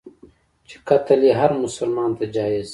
چي قتل یې هرمسلمان ته جایز.